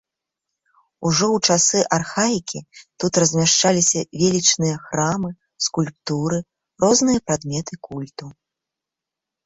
Ужо ў часы архаікі тут размяшчаліся велічныя храмы, скульптуры, розныя прадметы культу.